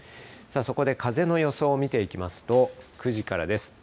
そこで風の予想を見ていきますと、９時からです。